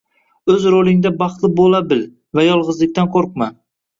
O‘z rolingda baxtli bo‘la bil va yolg‘izlikdan qo‘rqma.